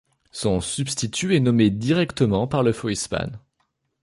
Son substitut est nommé directement par le főispán.